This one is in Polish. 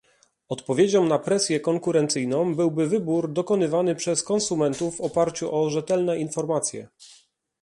Odpowiedzią na presję konkurencyjną byłby wybór dokonywany przez konsumentów w oparciu o rzetelne informacje